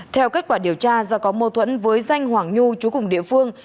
theo kết quả điều tra do có mâu thuẫn với danh hoàng nhu chú cùng địa phương